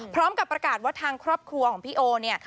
พร้อมกับประกาศว่าทางครอบครัวของพี่โอเนี่ย